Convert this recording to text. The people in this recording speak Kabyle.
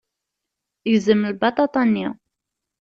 Gzem lbaṭaṭa-nni.